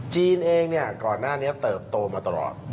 จีนเองก่อนหน้านี้เติบโตมาตลอด